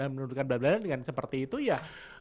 menurunkan berat badan dengan seperti itu ya